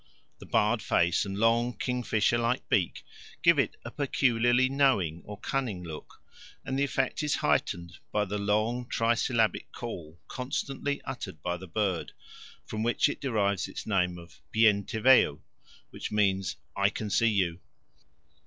The barred face and long kingfisher like beak give it a peculiarly knowing or cunning look, and the effect is heightened by the long trisyllabic call constantly uttered by the bird, from which it derives its name of Bien te veo, which means I can see you.